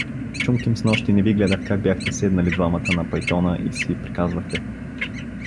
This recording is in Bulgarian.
Чунким снощи не ви гледах как бяхте седнали двамата на пайтона и си приказвахте.